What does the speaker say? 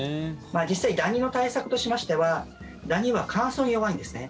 実際ダニの対策としましてはダニは乾燥に弱いんですね。